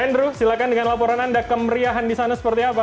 andrew silakan dengan laporan anda kemeriahan di sana seperti apa